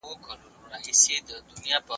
مُلا پرون مسلې کړلې د روژې د ثواب